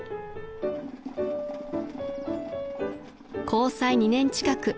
［交際２年近く］